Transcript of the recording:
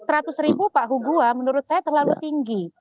seratus ribu pak hugua menurut saya terlalu tinggi